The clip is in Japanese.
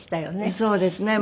そうですね。